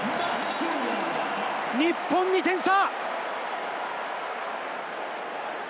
日本２点差！